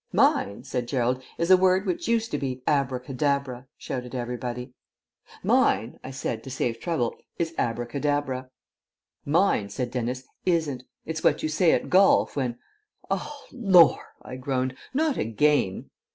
"Mine," said Gerald, "is a word which used to be " "'Abracadabra,'" shouted everybody. "Mine," I said to save trouble, "is 'Abracadabra.'" "Mine," said Dennis, "isn't. It's what you say at golf when " "Oh lor!" I groaned. "Not again."